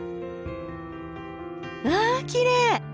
わあきれい！